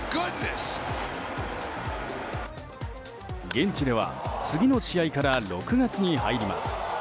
現地では次の試合から６月に入ります。